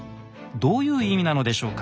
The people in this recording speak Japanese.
どういう意味なのでしょうか？